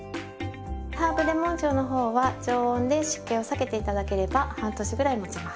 ハーブレモン塩の方は常温で湿気を避けて頂ければ半年ぐらいもちます。